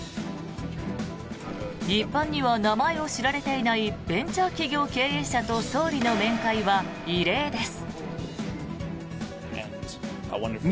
一般には名前を知られていないベンチャー企業経営者と総理の面会は異例です。